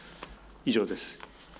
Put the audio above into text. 以上です。